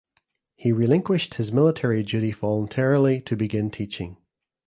He relinquished his Military duty voluntarily to begin teaching.